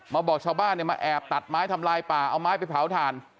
บอกชาวบ้านเนี่ยมาแอบตัดไม้ทำลายป่าเอาไม้ไปเผาถ่าน